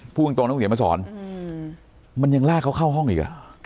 พูดตรงน้องเหนียวมาสอนมันยังลากเขาเข้าห้องอีกอ่ะ